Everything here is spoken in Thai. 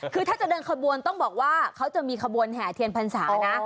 คือถ้าจะเดินขบวนต้องบอกว่าเขาจะมีขบวนแห่เทียนพรรษานะ